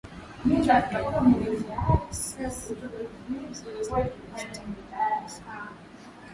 ya uhalifu ya icc upande wa siasa christian wenawesa huyu